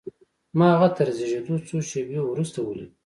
ما هغه تر زېږېدو څو شېبې وروسته وليد.